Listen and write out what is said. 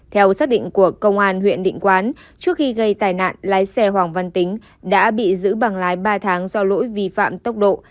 theo xác định của công an huyện định quán trước khi gây tai nạn lái xe hoàng văn tính đã bị giữ bằng lái ba tháng do lỗi vi phạm tốc độ